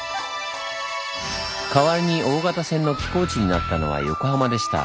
代わりに大型船の寄港地になったのは横浜でした。